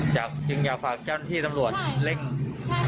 จากจึงอยากฝากเจ้าหน้าที่สำหรวจเล่นใช่ค่ะ